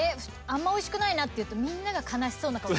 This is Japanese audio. あんまおいしくないなって言うとみんなが悲しそうな顔。